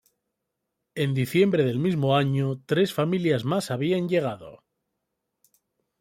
En diciembre del mismo año, tres familias más habían llegado.